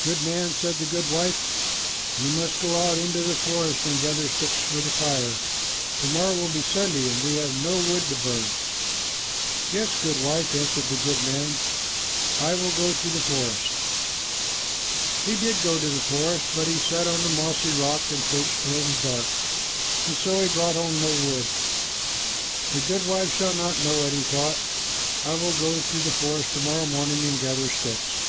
"Goodman," said the goodwife, "you must go out into the forest and gather sticks for the fire. To morrow will be Sunday, and we have no wood to burn." "Yes, goodwife," answered the goodman, "I will go to the forest." He did go to the forest, but he sat on a mossy rock and fished till it was dark, and so he brought home no wood. "The goodwife shall not know it," he thought. "I will go to the forest to morrow morning and gather sticks."